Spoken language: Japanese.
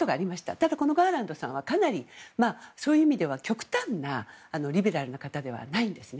ただ、ガーランドさんはそういう意味では極端なリベラルな方ではないんですね。